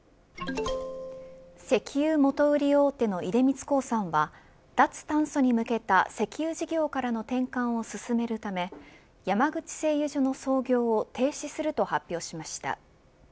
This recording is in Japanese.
石油元売り大手の出光興産は脱炭素に向けた、石油事業からの転換を進めるため山口製油所の操業を停止すると発表しました。